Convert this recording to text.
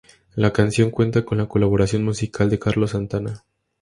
La canción cuenta con la colaboración musical de Carlos Santana.